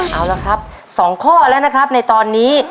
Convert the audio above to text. เอาละครับ๒ข้อแล้วนะครับในตอนนี้